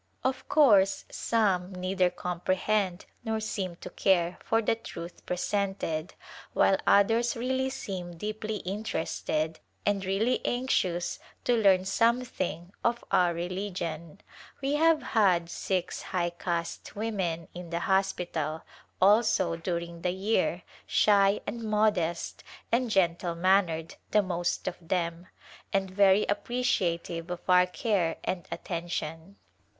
Of course some neither comprehend nor seem to care for the truth presented, while others really seem deeply interested and really anxious to learn something of our religion. W> have had six high caste women in the hospital, also, during the year, shy and modest and gentle mannered the most of them, and very appreci ative of our care and attention.